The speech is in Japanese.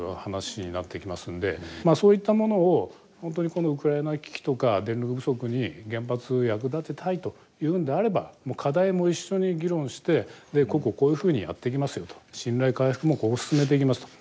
そういったものを本当にこのウクライナ危機とか電力不足に原発役立てたいというんであればもう課題も一緒に議論してこうこうこういうふうにやっていきますよと信頼回復もこう進めていきますと。